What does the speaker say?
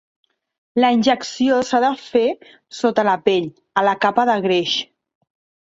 La injecció s'ha de fer sota la pell, a la capa de greix.